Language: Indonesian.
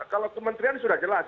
kalau kementerian sudah jelas